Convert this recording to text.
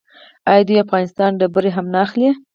آیا دوی د افغانستان ډبرې هم نه اخلي؟